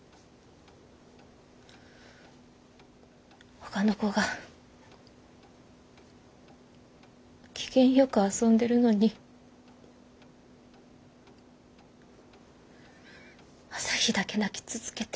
ほかの子が機嫌よく遊んでるのに朝陽だけ泣き続けて。